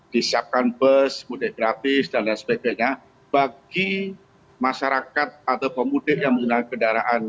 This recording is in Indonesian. disiapkan bus mudik gratis dan lain sebagainya bagi masyarakat atau pemudik yang menggunakan kendaraan